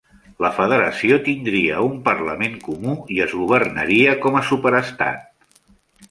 La federació tindria un parlament comú i es governaria com a superestat.